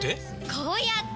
こうやって！